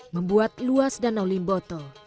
membuat luas danau limboto